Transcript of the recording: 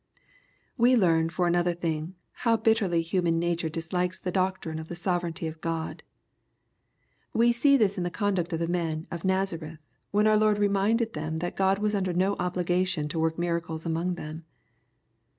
We learn, for another thing, hov) bitterly human nature dislikes the doctrine o f the sovereignty of Ood, We see this in the conduct of the men of Nazareth, when our Lord reminded them that God was under no obligation to work miracles among them.